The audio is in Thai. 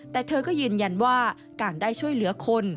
แต่เธอก็ยืนยันว่าการได้ช่วยเหลือคน